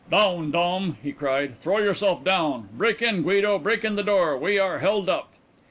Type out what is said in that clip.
"Down, Dom!" he cried, "throw yourself down! Break in, Guido. Break in the door. We are held up!"